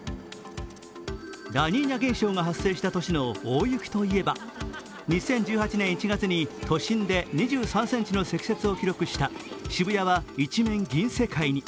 ラニーニャ現象が発生した年の大雪といえば２０１８年１月に都心で２３ｃｍの積雪を記録した渋谷は一面銀世界に。